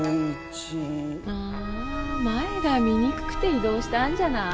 ああー前が見にくくて移動したんじゃない？